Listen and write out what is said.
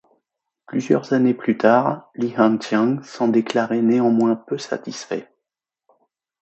Plusieurs années plus tard, Li Han-hsiang s'en déclarait néanmoins peu satisfait.